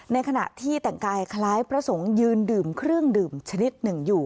ในขณะที่แต่งกายคล้ายพระสงฆ์ยืนดื่มเครื่องดื่มชนิดหนึ่งอยู่